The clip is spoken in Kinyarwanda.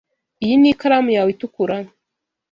Iyi ni ikaramu yawe itukura?